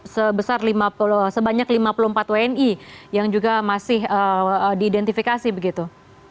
sebanyak lima puluh empat wni yang juga masih diidentifikasi begitu